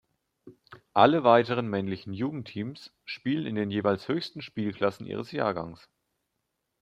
Alle weiteren männlichen Jugendteams spielen in den jeweils höchsten Spielklassen ihres Jahrgangs.